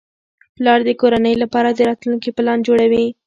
پلار د کورنۍ لپاره د راتلونکي پلان جوړوي